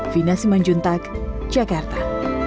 vina simanjuntag jakarta